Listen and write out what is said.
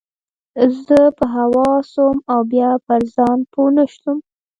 زه په هوا سوم او بيا پر ځان پوه نه سوم.